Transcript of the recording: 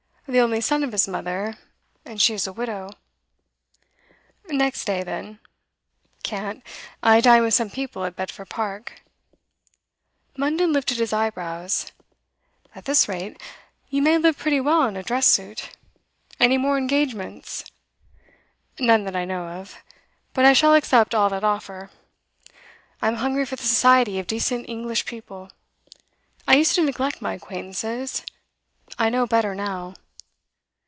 the only son of his mother, and she a widow.' 'Next day, then.' 'Can't. I dine with some people at Bedford Park.' Munden lifted his eyebrows. 'At this rate, you may live pretty well on a dress suit. Any more engagements?' 'None that I know of. But I shall accept all that offer. I'm hungry for the society of decent English people. I used to neglect my acquaintances; I know better now.